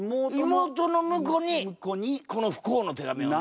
妹の婿にこの不幸の手紙をね。